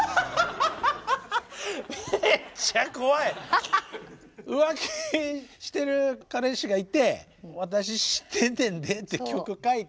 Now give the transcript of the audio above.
ハッハハハハハめっちゃ怖い！浮気してる彼氏がいて「私知ってんねんで」って曲書いて。